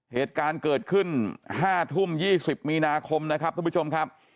เหตุการณ์เกิดขึ้น๕ทุ่ม๒๐มีนาคมนะครับทุกผู้ชมครับ